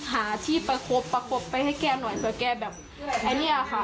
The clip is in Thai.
หาที่ประคบประคบไปให้แกหน่อยเผื่อแกแบบไอ้เนี้ยค่ะ